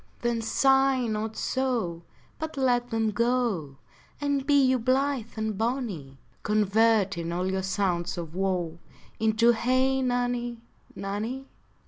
Then sigh not so, But let them go, And be you blith and bonny, Converting all your sounds of woe Into Hey nonny, nonny.